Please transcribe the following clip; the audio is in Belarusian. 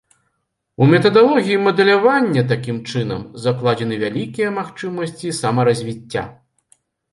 У метадалогіі мадэлявання, такім чынам, закладзеныя вялікія магчымасці самаразвіцця.